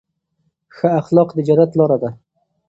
ښه اخلاق د جنت لاره ده.